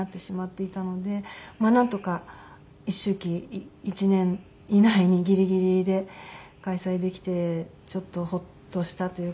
なんとか一周忌１年以内にギリギリで開催できてちょっとほっとしたという感じでしたね。